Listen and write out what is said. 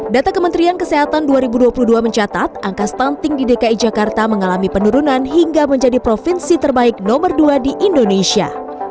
data kementerian kesehatan dua ribu dua puluh dua mencatat angka stunting di dki jakarta mengalami penurunan hingga menjadi provinsi terbaik nomor dua di indonesia